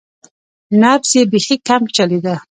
نبض یې بیخي کم چلیده.